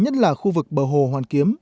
nhất là khu vực bờ hồ hoàn kiếm